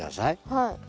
はい。